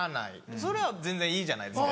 それは全然いいじゃないですか。